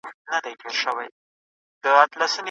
استبدادي حکومتونه کله هم د خلګو ملاتړ نه لري.